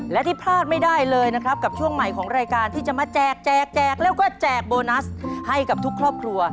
และที่พลาดไม่ได้เลยนะครับกับช่วงใหม่ของรายการที่จะมาแจกแจกแจกแล้วก็แจกโบนัสให้กับทุกครอบครัว